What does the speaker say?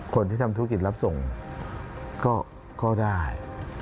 คนที่ทำธุรกิจรับส่งก็ได้